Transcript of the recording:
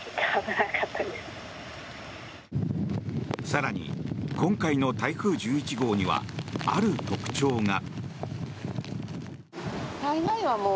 更に、今回の台風１１号にはある特徴が。